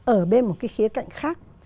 ở bên một cái khía cạnh khác